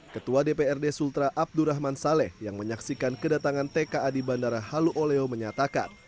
ketua dprd sultra abdurrahman saleh yang menyaksikan kedatangan tka di bandara halu oleo menyatakan